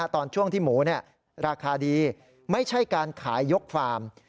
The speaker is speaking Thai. ตอนช่วงที่หมูราคาดีไม่ใช่การขายยกฟาร์ม